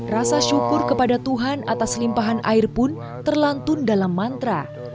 rasa syukur kepada tuhan atas limpahan air pun terlantun dalam mantra